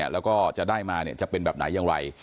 แล้วก็จะได้มาจะเป็นแบบไหนอย่างไร